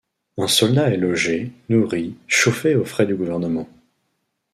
Un soldat est logé, nourri, chauffé aux frais du gouvernement.